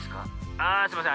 ああすいません。